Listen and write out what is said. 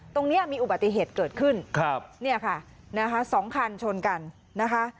ตรงนี้มีอุบัติเหตุเกิดขึ้นครับเนี่ยค่ะนะคะสองคันชนกันนะคะ